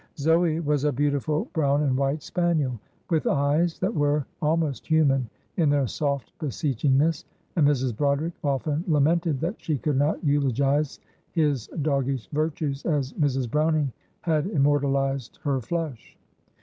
Zoe was a beautiful brown and white spaniel, with eyes that were almost human in their soft beseechingness, and Mrs. Broderick often lamented that she could not eulogise his doggish virtues as Mrs. Browning had immortalised her Flush.